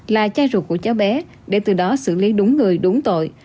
là cha ruột của cháu bé để từ đó xử lý đúng người đúng tội